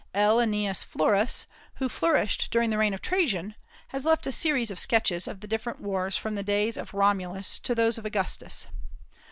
L. Anneus Florus, who flourished during the reign of Trajan, has left a series of sketches of the different wars from the days of Romulus to those of Augustus.